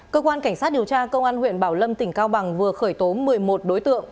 cơ quan cảnh sát điều tra công an huyện bảo lâm tỉnh cao bằng vừa khởi tố một mươi một đối tượng